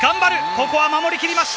ここは守り切りました。